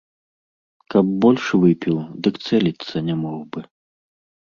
Каб больш выпіў, дык цэліцца не мог бы.